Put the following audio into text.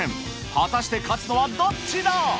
果たして勝つのはどっちだ！？